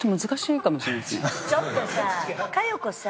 ちょっとさ佳代子さ